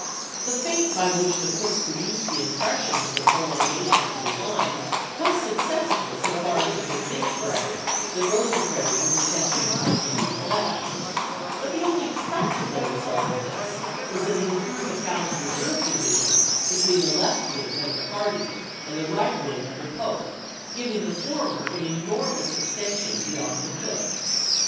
The feint by PEERYVILLE AND MURFEEESBOEO 285 whieh McCook produced the impression of the prolongation of his line was successful so far as to convince Bragg that Rosecrans was attempting to flank him on the left, but the only practical result of this was that he threw McCown's reserve divi sion between the left wing under Hardee, and the right wing under Polk, giving the former an enor mous extension beyond McCook.